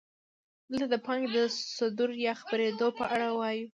دلته د پانګې د صدور یا خپرېدو په اړه وایو